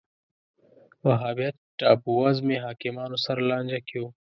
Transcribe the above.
وهابیت ټاپووزمې حاکمانو سره لانجه کې و